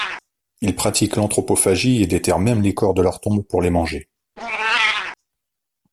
Il pratique l'anthropophagie et déterre même les corps de leur tombe pour les manger.